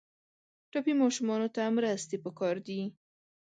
ټپي ماشومانو ته مرستې پکار دي.